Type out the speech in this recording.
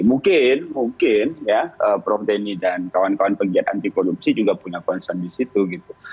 mungkin mungkin ya prof denny dan kawan kawan pegiat anti korupsi juga punya concern di situ gitu